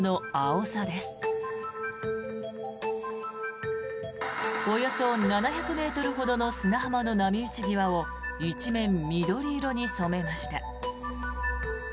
およそ７００ｍほどの砂浜の波打ち際を一面緑色に染めました。